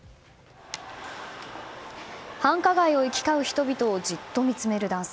繁華街を行き交う人々をじっと見つめる男性